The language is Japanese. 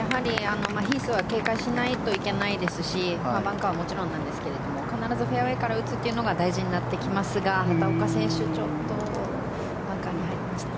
ヒースは警戒しないといけないですしバンカーはもちろんなんですが必ずフェアウェーから打つのが大事になってきますが畑岡選手、ちょっとバンカーに入りましたね。